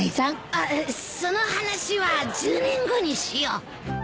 あその話は１０年後にしよう。